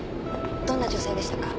どんな女性でしたか？